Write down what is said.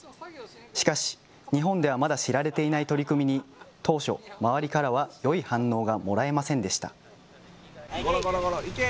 しかし、日本ではまだ知られていない取り組みに、当初、周りからはよい反応がもらえませんでした。